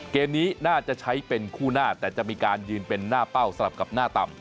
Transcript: เกมนี้น่าจะใช้เป็นคู่หน้าแต่จะมีการยืนเป็นหน้าเป้าสลับกับหน้าต่ำ